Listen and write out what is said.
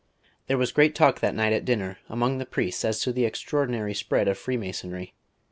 III There was great talk that night at dinner among the priests as to the extraordinary spread of Freemasonry.